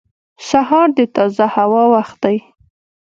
• سهار د تازه هوا وخت دی.